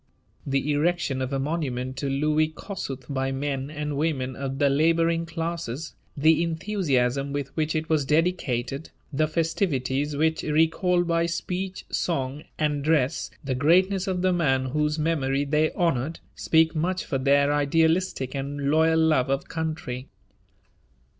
The erection of a monument to Louis Kossuth by men and women of the labouring classes, the enthusiasm with which it was dedicated, the festivities which recalled by speech, song, and dress the greatness of the man whose memory they honoured, speak much for their idealistic and loyal love of country.